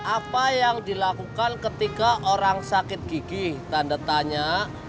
apa yang dilakukan ketika orang sakit gigih tanda tanya